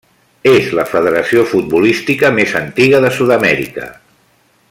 És la federació futbolística més antiga de Sud-amèrica.